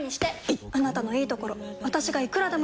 いっあなたのいいところ私がいくらでも言ってあげる！